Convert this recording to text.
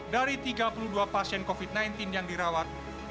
dari tiga puluh dua pasien covid sembilan belas yang dirawat